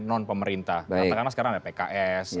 non pemerintah katakanlah sekarang ada pks